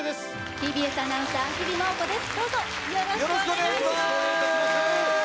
ＴＢＳアナウンサー、日比麻音子です。